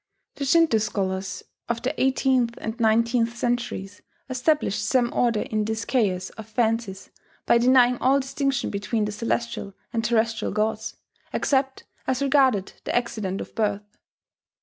The Shinto scholars of the eighteenth and nineteenth centuries established some order in this chaos of fancies by denying all distinction between the Celestial and Terrestrial gods, except as regarded the accident of birth.